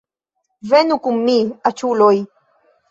Venu kun mi, aĉuloj